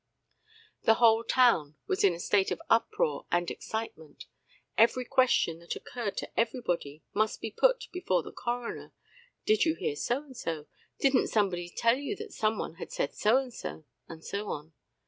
The whole town was in a state of uproar and excitement. Every question that occurred to everybody must be put before the coroner "Didn't you hear so and so?" "Didn't somebody tell you that some one had said so and so?" and so on.